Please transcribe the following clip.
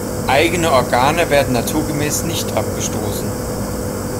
Eigene Organe werden naturgemäß nicht abgestoßen.